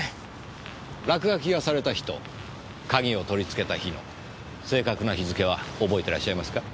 落書きがされた日と鍵を取り付けた日の正確な日付は覚えていらっしゃいますか？